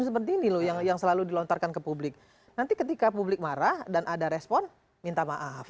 seperti ini loh yang selalu dilontarkan ke publik nanti ketika publik marah dan ada respon minta maaf